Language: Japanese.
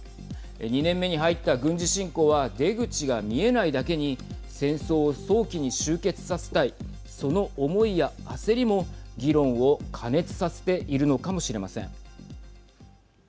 ２年目に入った軍事侵攻は出口が見えないだけに戦争を早期に終結させたいその思いや焦りも議論を過熱させているのかもしれません。